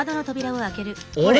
あれ？